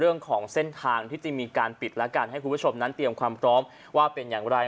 เรื่องของเส้นทางที่จะมีการปิดและการให้คุณผู้ชมนั้นเตรียมความพร้อมว่าเป็นอย่างไร